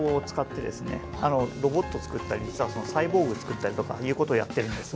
ロボットを作ったり実はそのサイボーグ作ったりとかいうことをやっているんですが。